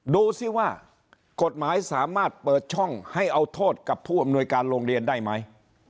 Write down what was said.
ดูสิว่ากฎหมายสามารถเปิดช่องให้เอาโทษกับผู้อำนวยการโรงเรียนได้ไหม